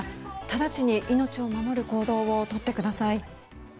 直ちに命を守る行動をとってください。